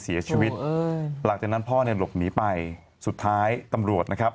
เสียชีวิตอืมหลังจากนั้นพ่อเนี่ยหลบหนีไปสุดท้ายตำรวจนะครับ